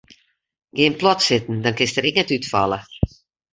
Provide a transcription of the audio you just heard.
Gean plat sitten dan kinst der ek net útfalle.